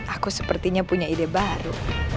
aku sepertinya punya ide baru